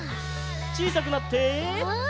ちいさくなって。